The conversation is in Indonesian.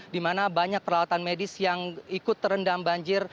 di mana banyak peralatan medis yang ikut terendam banjir